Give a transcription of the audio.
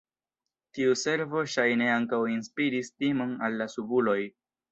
Tiu servo ŝajne ankaŭ inspiris timon al la subuloj.